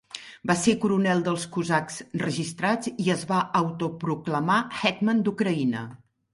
Va ser coronel dels cosacs registrats i es va autoproclamar "hetman" d'Ucraïna.